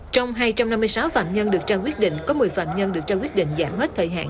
trong hai trăm năm mươi sáu phạm nhân được trao quyết định có một mươi phạm nhân được trao quyết định giảm hết thời hạn